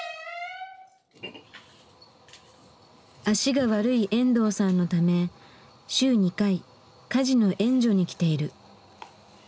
脚が悪い遠藤さんのため週２回家事の援助に来ている。